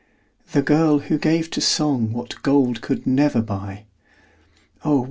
The girl, who gave to song What gold could never buy. Oh!